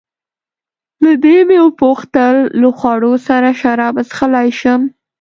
له دې مې وپوښتل: له خوړو سره شراب څښلای شم؟